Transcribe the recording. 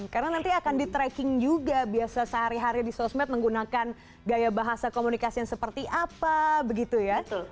karena nanti akan di tracking juga biasa sehari hari di sosmed menggunakan gaya bahasa komunikasi yang seperti apa begitu ya